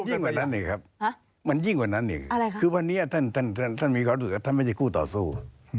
ยิ่งกว่านั้นอีกครับมันยิ่งกว่านั้นอีกคือวันนี้ท่านมีความรู้สึกว่าท่านไม่ใช่คู่ต่อสู้